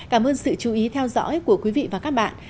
cảm ơn sự chú ý theo dõi của quý vị và các bạn